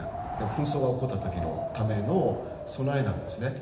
紛争が起こった時のための備えなんですね。